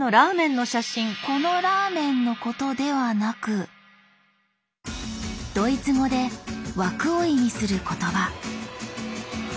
この「ラーメン」のことではなくドイツ語で「枠」を意味する言葉。